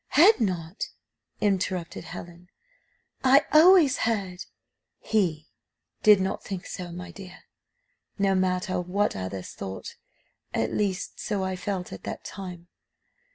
"Had not!" interrupted Helen, "I always heard " "He did not think so, my dear; no matter what others thought, at least so I felt at that time.